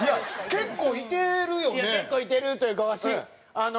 結構いてるというかわしあの。